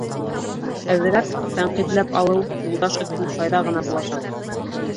Әҙерәк тәнҡитләп алыу Юлдаш өсөн файҙа ғына буласаҡ.